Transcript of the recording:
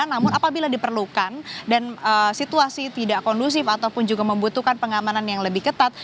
namun apabila diperlukan dan situasi tidak kondusif ataupun juga membutuhkan pengamanan yang lebih ketat